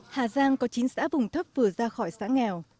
hà giang có chín xã vùng thấp vừa ra khỏi xã nghèo